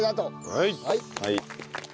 はい。